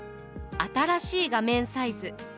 新しい画面サイズ。